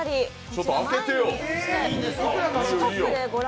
ちょっと開けてよ！